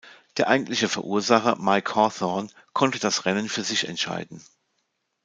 Der eigentliche Verursacher, Mike Hawthorn, konnte das Rennen für sich entscheiden.